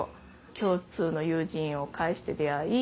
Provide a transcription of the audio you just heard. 共通の友人を介して出会い